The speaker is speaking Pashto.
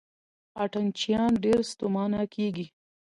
اتڼ چیان ډېر ستومانه کیږي.